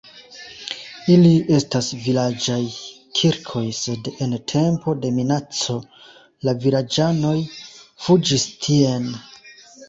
Ili estas vilaĝaj kirkoj, sed en tempo de minaco la vilaĝanoj fuĝis tien.